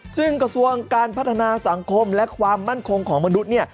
ซึ่งกระทรวงการพัฒนาสังคมและความมั่นคงของมนุษย์เนี่ย